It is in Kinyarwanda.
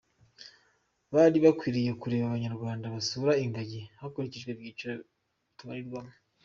Bari bakwiriye kureka abanyarwanda basura ingagi hakurikijwe ibyiciro tubarirwamo.